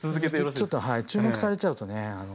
ちょっと注目されちゃうとねあの。